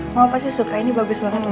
mama pasti suka ini bagus banget loh